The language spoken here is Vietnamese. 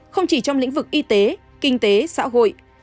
không chỉ trong lĩnh vực y tế kinh tế xã hội